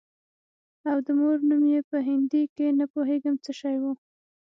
او د مور نوم يې په هندي کښې نه پوهېږم څه شى و.